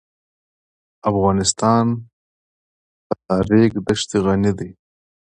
افغانستان په د ریګ دښتې غني دی.